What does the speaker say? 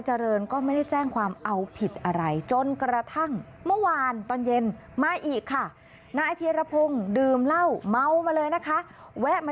เจริญก่อนที่จะโวยวายอีกแล้ว